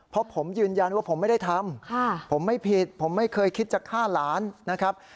เพราะผมยืนยันว่าผมไม่ได้ทำผมไม่ผิดผมไม่เคยคิดจะฆ่าหลานนะครับ